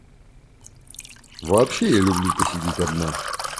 Вообще я люблю посидеть одна.